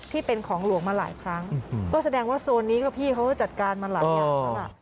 ที่เป็นของหลวงมาหลายครั้งก็แสดงว่าโซนนี้ก็พี่เขาก็จัดการมาหลายอย่างแล้วล่ะ